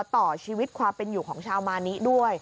ต่อชีวิตความเป็นอยู่ของชาวมานิด้วย